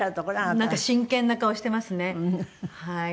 なんか真剣な顔してますねはい。